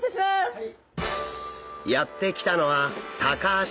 はい。